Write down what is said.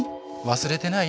忘れてない？